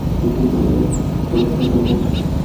কুসুম বলে, চোখ ছলছল করছে।